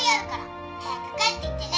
早く帰ってきてね。